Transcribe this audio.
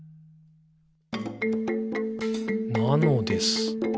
「なのです。」